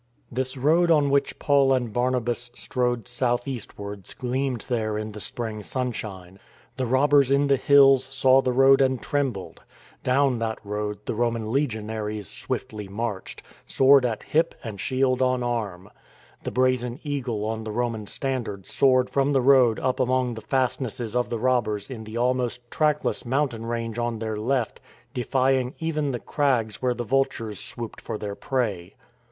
This road on which Paul and Barnabas strode south eastwards gleamed there in the spring sunshine. The robbers in the hills saw the road and trembled. Down that road the Roman legionaries swiftly marched — sword at hip and shield on arm. The brazen Eagle on the Roman standard soared from the road up among the fastnesses of the robbers in the almost trackless mountain range on their left, defying even the crags where the vultures swooped for their prey.